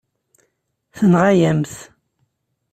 Tenɣa-yam-t.